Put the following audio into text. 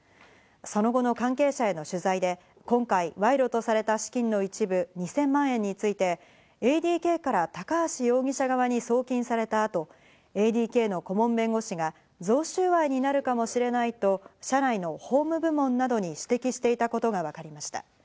その後の関係者への取材で、今回、賄賂とされた資金の一部、２０００万円についてＡＤＫから高橋容疑者側に送金された後、ＡＤＫの顧問弁護士が贈収賄になるかもしれないと社内の法務部門などに指摘していたことがわかりました。